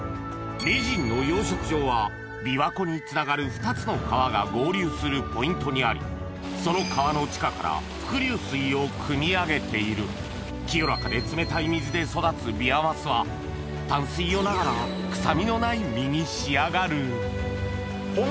名人の養殖場は琵琶湖につながる２つの川が合流するポイントにありその川の地下から伏流水をくみ上げているで育つビワマスは淡水魚ながらハハハ！